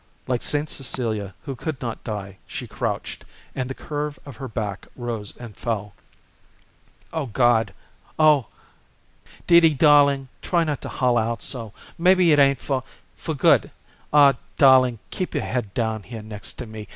Like St. Cecilia, who could not die, she crouched, and the curve of her back rose and fell. "O God! Oh " "Dee Dee darling, try not to holler out so! Maybe it ain't for for good. Aw, darling, keep your head down here next to me!